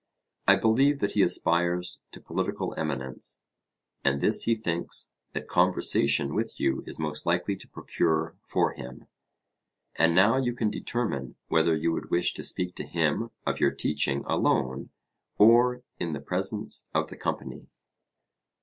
I believe that he aspires to political eminence; and this he thinks that conversation with you is most likely to procure for him. And now you can determine whether you would wish to speak to him of your teaching alone or in the presence of the company.